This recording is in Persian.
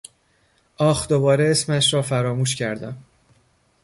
آخ دوباره اسمش را فراموش کردم!